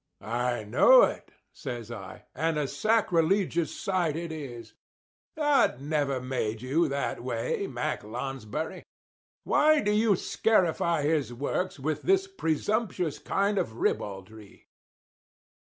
"I know it," says I, "and a sacrilegious sight it is. God never made you that way, Mack Lonsbury. Why do you scarify His works with this presumptuous kind of ribaldry?"